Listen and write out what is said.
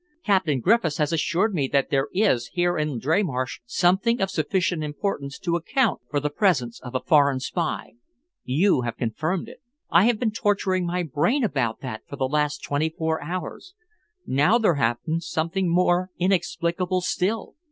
Captain Griffiths has assured me that there is here in Dreymarsh something of sufficient importance to account for the presence of a foreign spy. You have confirmed it. I have been torturing my brain about that for the last twenty four hours. Now there happens something more inexplicable still.